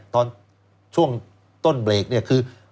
ตอนช่วงต้นเบรกเนี่ยคือ